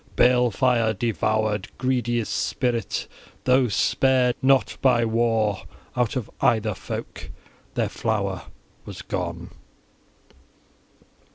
Balefire devoured, greediest spirit, those spared not by war out of either folk: their flower was gone.